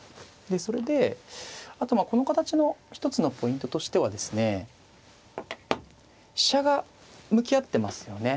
それであとまあこの形の一つのポイントとしてはですね飛車が向き合ってますよね。